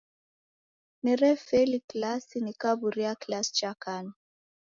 Nerefeli kilasi nikaw'uria kilasi cha kana.